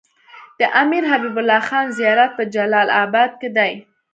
د امير حبيب الله خان زيارت په جلال اباد کی دی